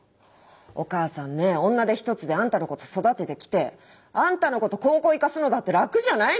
お母さんね女手一つであんたのこと育ててきてあんたのこと高校行かすのだって楽じゃないのよ。